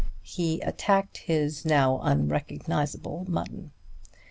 He attacked his now unrecognizable mutton.